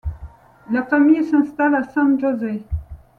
La famille s'installe à San José.